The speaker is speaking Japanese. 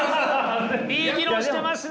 いい議論してますね！